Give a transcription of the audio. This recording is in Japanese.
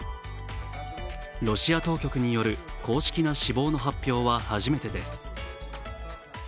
ロシア当局による公式な死亡の発表は初めてです。